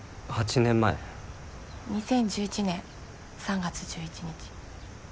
２０１１年３月１１日。